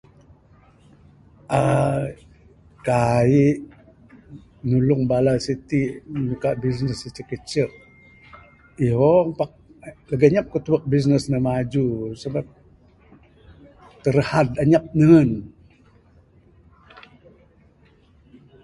uhh Kai nulung bala siti muka business icek icek ihong pak legi inyap ku tebuk business ne maju, sabab terhad inyap nehen.